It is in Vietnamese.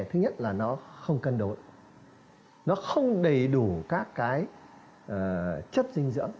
thứ nhất là nó không cân đối nó không đầy đủ các cái chất dinh dưỡng